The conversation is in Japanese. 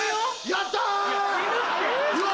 やった！